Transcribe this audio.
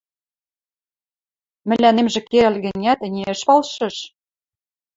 – Мӹлӓнемжӹ керӓл гӹнят, ӹне ӹш палшыш...